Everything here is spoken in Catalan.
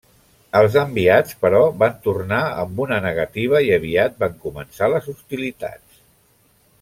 Els enviats, però, van tornar amb una negativa i aviat van començar les hostilitats.